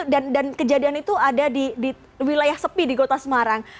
dan kejadian itu ada di wilayah sepi di kota semarang